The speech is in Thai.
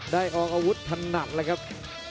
ออกอาวุธถนัดเลยครับ